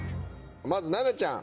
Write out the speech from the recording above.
まず七菜ちゃん。